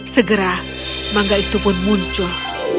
segera mangga itu pun muncul